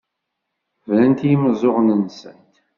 Brant i yimeẓẓuɣen-nsent.